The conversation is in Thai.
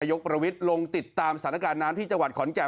ประวิทย์ลงติดตามสถานการณ์น้ำที่จังหวัดขอนแก่น